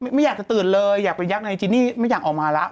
ไม่อยากจะตื่นเลยอยากไปยักษ์ในจินนี่ไม่อยากออกมาแล้ว